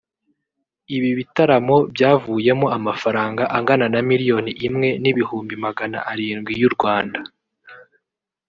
Ibi bitaramo byavuyemo amafaranga angana na Miliyoni imwe n’ibihumbi magana arindwi y’u Rwanda